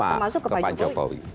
termasuk ke pak jokowi